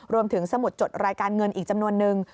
สมุดจดรายการเงินอีกจำนวนนึง